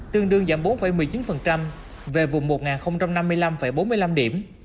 tương đương giảm bốn một mươi chín về vùng một năm mươi năm bốn mươi năm điểm